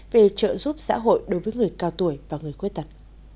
về trợ giúp xã hội đối với người cao tuổi và người khuyết tật